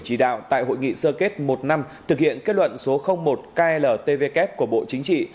chỉ đạo tại hội nghị sơ kết một năm thực hiện kết luận số một kltvk của bộ chính trị